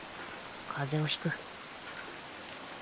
風邪をひく。